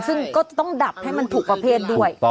ซึ่งก็ต้องดับให้มันถูกประเภทด้วย